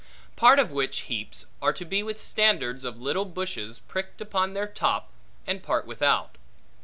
Part of which heaps, are to be with standards of little bushes pricked upon their top, and part without.